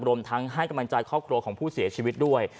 รวมทั้งให้กำลังใจครอบครัวของผู้เสียชีวิตด้วย